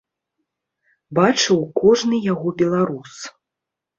Бачыў кожны яго беларус.